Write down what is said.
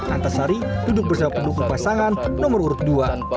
antasari duduk bersama pendukung pasangan nomor urut dua